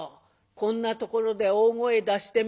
こんなところで大声出してみ。